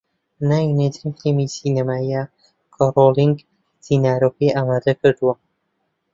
ناوی نوێترین فیلمی سینەماییە کە رۆلینگ سیناریۆکەی ئامادەکردووە